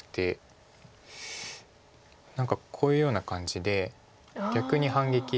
何かこういうような感じで逆に反撃。